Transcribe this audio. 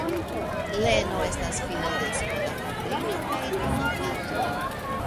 Leno estas filo de skota patrino kaj itala patro.